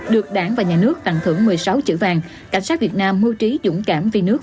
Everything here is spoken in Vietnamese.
được đảng và nhà nước tặng thưởng một mươi sáu chữ vàng cảnh sát việt nam mưu trí dũng cảm vì nước